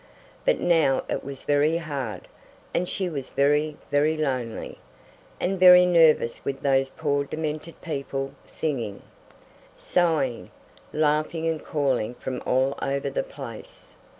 But now it was very hard, and she was very, very lonely, and very nervous with those poor demented people singing, sighing, laughing and calling from all over the place.